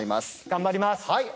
頑張ります。